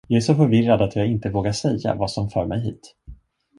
Jag är så förvirrad, att jag inte vågar säga, vad som för mig hit.